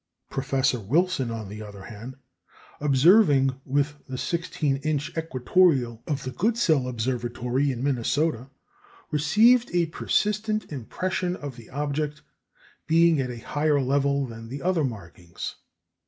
Professor Wilson, on the other hand, observing with the 16 inch equatorial of the Goodsell Observatory in Minnesota, received a persistent impression of the object "being at a higher level than the other markings."